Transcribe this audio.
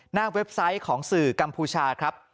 เว็บไซต์ของสื่อกัมพูชาครับ